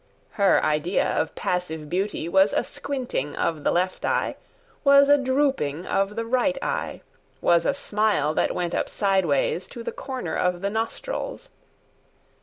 Her idea of passive beauty Was a squinting of the left eye, Was a drooping of the right eye, Was a smile that went up sideways To the corner of the nostrils.